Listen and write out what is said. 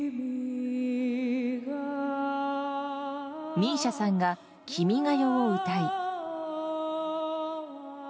ＭＩＳＩＡさんが「君が代」を歌い。